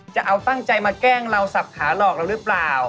จะเอาตั้งใจมาแกล้งเราสับขาหลอกเราหรือเปล่า